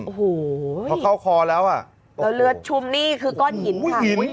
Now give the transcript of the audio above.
โอ้โหพอเข้าคอแล้วอ่ะแล้วเลือดชุมนี่คือก้อนหินค่ะหิน